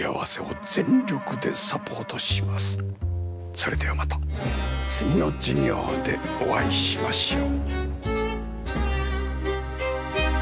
それではまた次の授業でお会いしましょう。